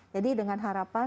jadi dengan harapan